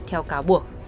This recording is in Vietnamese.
theo cáo buộc